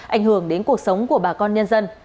ảnh hưởng đến cuộc sống của bà con nhân dân